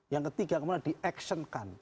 yang ketiga dimana di actionkan